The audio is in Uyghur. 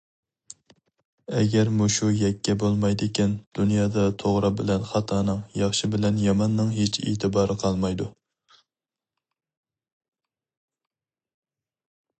ئەگەر مۇشۇ يەككە بولمايدىكەن، دۇنيادا توغرا بىلەن خاتانىڭ، ياخشى بىلەن ياماننىڭ ھېچ ئېتىبارى قالمايدۇ.